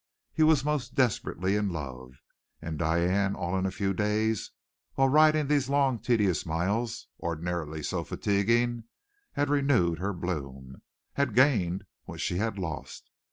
He was most desperately in love. And Diane, all in a few days, while riding these long, tedious miles, ordinarily so fatiguing, had renewed her bloom, had gained what she had lost.